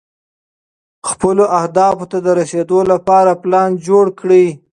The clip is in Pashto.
خپلو اهدافو ته د رسېدو لپاره پلان جوړ کړئ.